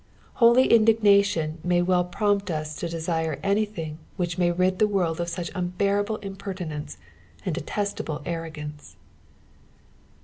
Holy in* dignation may well prompt us to desire anjlhing which ma; rid the world of Bocb unbearable impertinence and detestable arrogance.